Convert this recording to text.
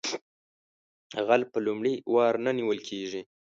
غل په لومړي وار نه نیول کیږي